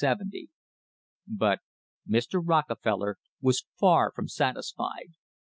But Mr. Rockefeller was far from satisfied.